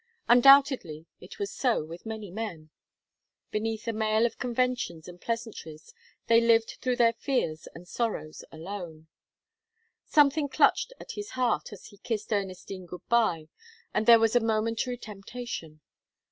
Undoubtedly it was so with many men; beneath a mail of conventions and pleasantries they lived through their fears and sorrows alone. Something clutched at his heart as he kissed Ernestine good bye and there was a momentary temptation.